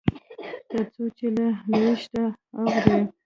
تر څو چې له لوېشته اوړي.